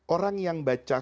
orang yang baca